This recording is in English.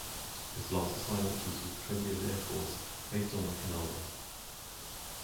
Its last assignment was with Twentieth Air Force, based on Okinawa.